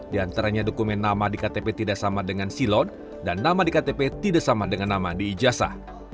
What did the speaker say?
di antaranya dokumen nama di ktp tidak sama dengan silon dan nama di ktp tidak sama dengan nama di ijazah